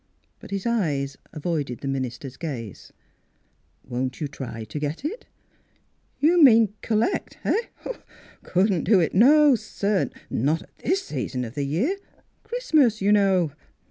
But his eyes avoided the minister's gaze. "Won't you try to get it? "" You mean collect — eh.? Couldn't do it ; no, sir ; not at this season of the year. Christmas, you know.